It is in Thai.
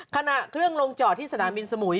ขณะเครื่องลงจอดที่สนามบินสมุย